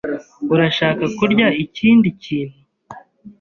Urashaka kurya ikindi kintu?